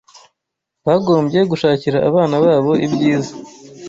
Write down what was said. bagombye gushakira abana babo ibyiza